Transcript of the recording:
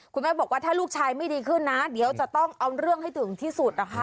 คุณแม่บอกว่าถ้าลูกชายไม่ดีขึ้นนะเดี๋ยวจะต้องเอาเรื่องให้ถึงที่สุดนะคะ